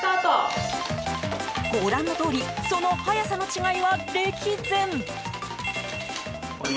ご覧のとおりその速さの違いは必然。